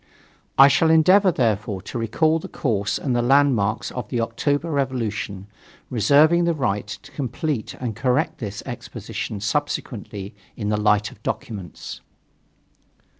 I shall endeavor, therefore, to recall the course and the landmarks of the October revolution, reserving the right to complete and correct this exposition subsequently in the light of documents.